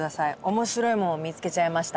面白いもの見つけちゃいました。